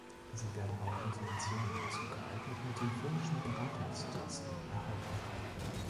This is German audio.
Sie werden auch Informationen zu geeigneten telefonischen Beratungsdiensten erhalten.